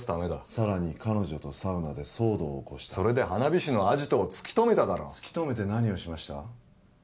さらに彼女とサウナで騒動を起こしたそれで花火師のアジトを突き止めただろ突き止めて何をしました？